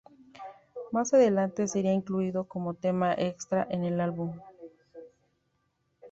Más adelante sería incluido como tema extra en el álbum.